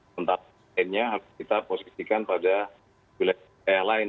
tentang lainnya harus kita posisikan pada wilayah lain